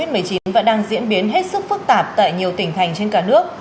hiện nay dịch bệnh covid một mươi chín vẫn đang diễn biến hết sức phức tạp tại nhiều tỉnh thành trên cả nước